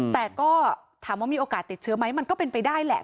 แต่ก็ถามว่ามีโอกาสติดเชื้อไหมมันก็เป็นไปได้แหละ